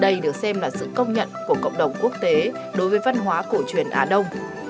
đây được xem là sự công nhận của cộng đồng quốc tế đối với văn hóa cổ truyền á đông